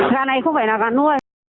gà này không phải là gà nuôi